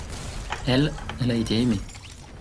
Elle, elle a été aimée.